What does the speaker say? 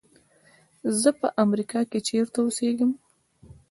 زه په امریکا کې چېرته اوسېږم.